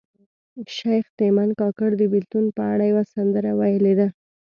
شیخ تیمن کاکړ د بیلتون په اړه یوه سندره ویلې ده